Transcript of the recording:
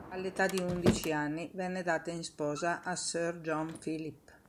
All'età di undici anni venne data in sposa a Sir John Philip.